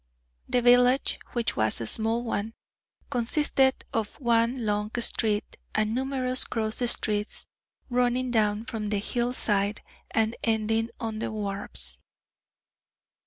The village, which was a small one, consisted of one long street and numerous cross streets running down from the hillside and ending on the wharves.